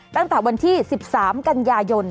ตั้งแต่วันที่๑๓กันยายน